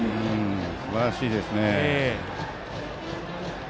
すばらしいですね。